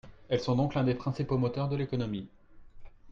Elles sont donc l’un des principaux moteurs de l’économie.